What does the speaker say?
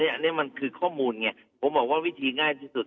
อันนี้มันคือข้อมูลไงผมบอกว่าวิธีง่ายที่สุด